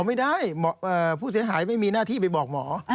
ไม่ได้ผู้เสียหายไม่มีหน้าที่ไปบอกหมอ